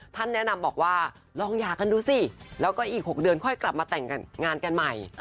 ท่านแนะนำบอกว่าลองหย่ากันดูสิแล้วก็อีก๖เดือนค่อยกลับมาแต่งงานกันใหม่